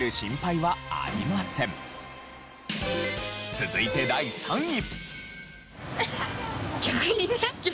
続いて第３位。